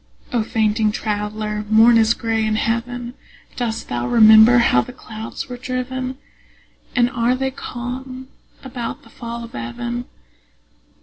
O fainting traveller, morn is gray in heaven. Dost thou remember how the clouds were driven? And are they calm about the fall of even?